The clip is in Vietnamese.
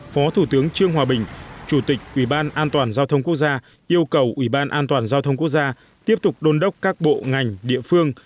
phó thủ tướng trương hòa bình chủ tịch ubndg yêu cầu ubndg tiếp tục đôn đốc các bộ ngành địa phương